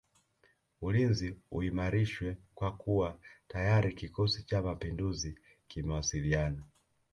Ulinzi uimarishwe kwa kuwa tayari kikosi cha mapinduzi kimewasiliana